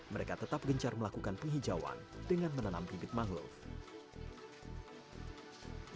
mereka tetap gencar melakukan penghijauan dengan menanam bibit mangrove